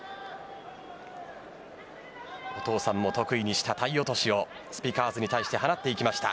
お父さんも得意にした体落をスピカーズに対して放っていきました。